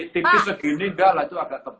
tipis segini enggak lah itu agak tebal